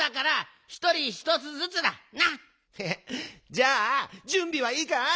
じゃあじゅんびはいいか？